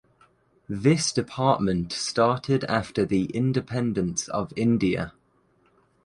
This department started after the Independence of India.